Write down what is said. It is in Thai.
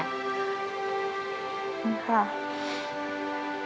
คุณคะ